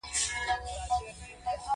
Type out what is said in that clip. د ویرلړلې زندګي خوسا ډنډونو ته به